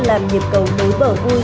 làm nghiệp cầu nối bờ vui